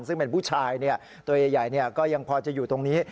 ซึ่งเป็นผู้ชายตัวใหญ่ก็ยังพอจะอยู่ตรงนี้